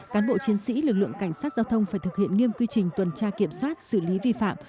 cán bộ chiến sĩ lực lượng cảnh sát giao thông phải thực hiện nghiêm quy trình tuần tra kiểm soát xử lý vi phạm